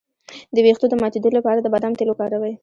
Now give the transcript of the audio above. د ویښتو د ماتیدو لپاره د بادام تېل وکاروئ